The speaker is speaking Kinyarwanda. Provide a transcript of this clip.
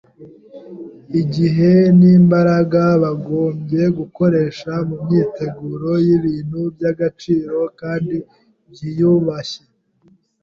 Igihe n’imbaraga bagombye gukoresha mu myiteguro y’ibintu by’agaciro kandi byiyubashye